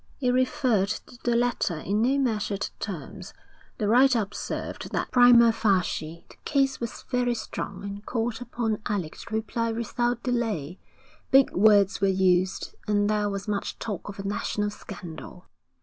It referred to the letter in no measured terms: the writer observed that prima facie the case was very strong and called upon Alec to reply without delay. Big words were used, and there was much talk of a national scandal.